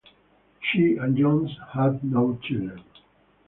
She and Jones had no children.